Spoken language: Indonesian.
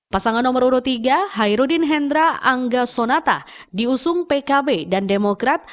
pasangan nomor urut tiga hairudin hendra angga sonata diusung pkb dan demokrat